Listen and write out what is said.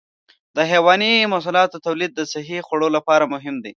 د حيواني محصولاتو تولید د صحي خوړو لپاره مهم دی.